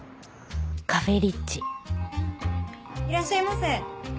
いらっしゃいませ。